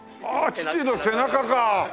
「父の背」か。